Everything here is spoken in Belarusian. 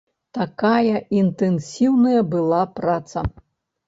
Такая інтэнсіўная была праца.